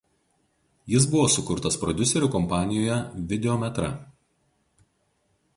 Jis buvo sukurtas prodiuserių kompanijoje „Videometra“.